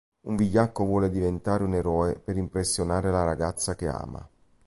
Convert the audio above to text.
Un vigliacco vuole diventare un eroe per impressionare la ragazza che ama.